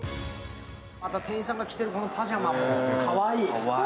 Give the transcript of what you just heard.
店員さんが着てるパジャマもかわいい。